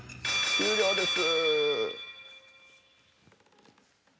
終了です。